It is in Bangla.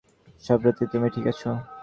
সাবিত্রী, তুমি ঠিক আছো?